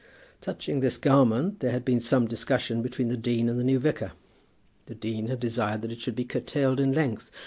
Touching this garment, there had been some discussion between the dean and the new vicar. The dean had desired that it should be curtailed in length.